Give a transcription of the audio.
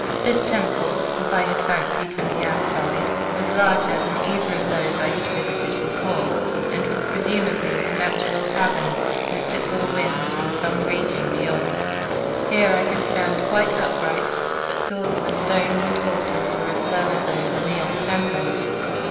This temple, as I had fancied from the outside, was larger than either of those I had visited before; and was presumably a natural cavern, since it bore winds from some region beyond. Here I could stand quite upright, but saw that the stones and altars were as low as those in the other temples.